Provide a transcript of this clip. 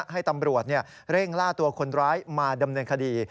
ให้ตำรวจเร่งล่าตัวคนร้ายมาดำเนินคดี